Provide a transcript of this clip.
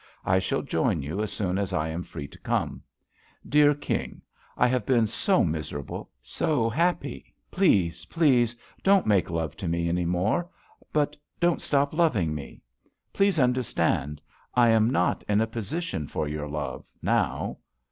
I shall join you as soon as I am free to come. Dear King, I have been so miser able, so happy 1 Please, please, don't make love to me any more. But don't stop loving me. Please understand. I am not in a position for your love — now.